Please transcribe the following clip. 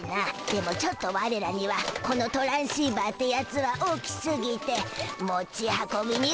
でもちょっとワレらにはこのトランシーバーってやつは大きすぎて持ち運びにはちょっとこれがまた。